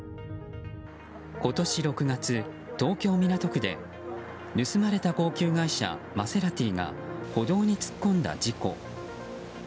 今年６月、東京・港区で盗まれた高級外車マセラティが歩道に突っ込んだ事故。